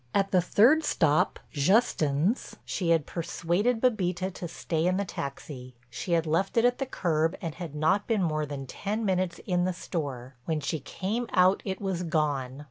At the third stop, Justin's, she had persuaded Bébita to stay in the taxi. She had left it at the curb and had not been more than ten minutes in the store. When she came out it was gone.